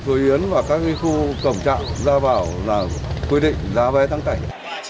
thủ yến và các khu cổng trạng ra bảo là quy định giá vé thắng cảnh